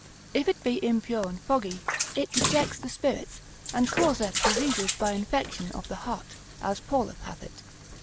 If it be impure and foggy, it dejects the spirits, and causeth diseases by infection of the heart, as Paulus hath it, lib.